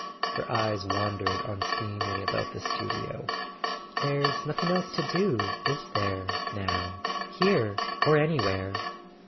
Her eyes wandered unseeingly about the studio. "There's nothing else to do, is there —now—here or anywhere?